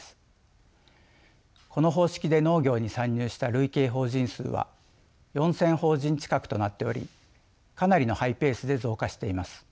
この方式で農業に参入した累計法人数は４，０００法人近くとなっておりかなりのハイペースで増加しています。